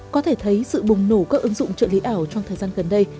có thể thấy sự bùng nổ các ứng dụng trợ lý ảo trong thời gian gần đây